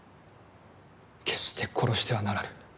決して殺してはならぬ。